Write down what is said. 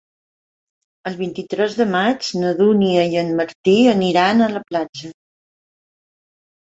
El vint-i-tres de maig na Dúnia i en Martí aniran a la platja.